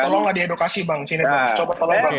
tolong tidak diedukasi bang coba tolong bang